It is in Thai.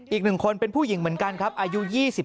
อีก๑คนเป็นผู้หญิงเหมือนกันครับอายุ๒๓